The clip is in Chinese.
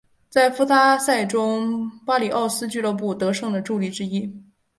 在附加赛中巴里奥斯俱乐部得胜的助力之一。